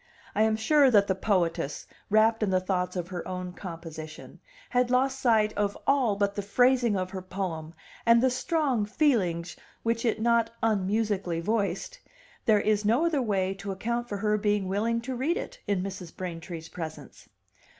I am sure that the poetess, wrapped in the thoughts of her own composition, had lost sight of all but the phrasing of her poem and the strong feelings which it not unmusically voiced; there Is no other way to account for her being willing to read it in Mrs. Braintree's presence.